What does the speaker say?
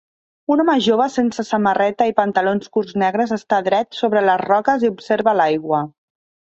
Un home jove sense samarreta i pantalons curts negres està dret sobre les roques i observa l'aigua.